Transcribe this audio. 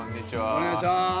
◆お願いしまーす。